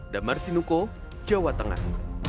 damar sinuko jawa tengah